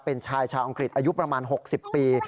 เป็นชายชาวอังกฤษอายุประมาณ๖๐ปี